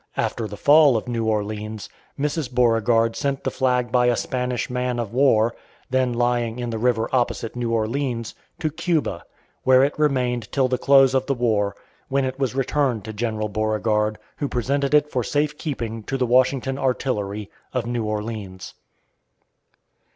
After the fall of New Orleans, Mrs. Beauregard sent the flag by a Spanish man of war, then lying in the river opposite New Orleans, to Cuba, where it remained till the close of the war, when it was returned to General Beauregard, who presented it for safe keeping to the Washington Artillery, of New Orleans.